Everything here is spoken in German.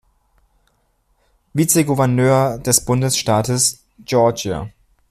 Vizegouverneur des Bundesstaates Georgia.